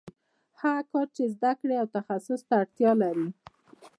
هغه کار چې زده کړې او تخصص ته اړتیا لري